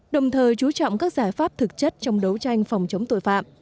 đồng thời chú trọng các giải pháp thực chất trong đấu tranh phòng chống tội phạm